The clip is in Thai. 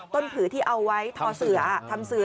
ต้นผือที่เอาไว้ทำเสือ